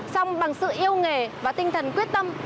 xong bằng sự yêu nghề và tinh thần quyết tâm